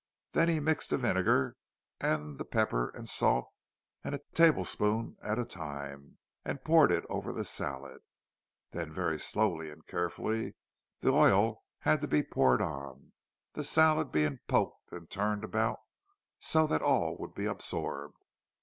Then he mixed the vinegar and the pepper and salt, a tablespoonful at a time, and poured it over the salad. Then very slowly and carefully the oil had to be poured on, the salad being poked and turned about so that it would be all absorbed.